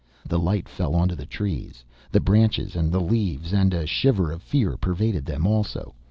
The light fell onto the trees, the branches, and the leaves, and a shiver of fear pervaded them also!